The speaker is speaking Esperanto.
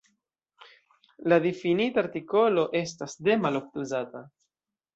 La difinita artikolo estas "de", malofte uzata.